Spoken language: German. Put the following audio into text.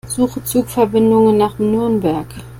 Suche Zugverbindungen nach Nürnberg.